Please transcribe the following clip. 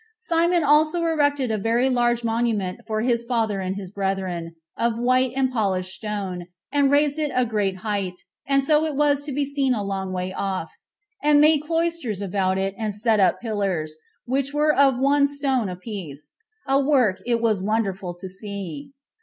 Simon also erected a very large monument for his father and his brethren, of white and polished stone, and raised it a great height, and so as to be seen a long way off, and made cloisters about it, and set up pillars, which were of one stone apiece; a work it was wonderful to see.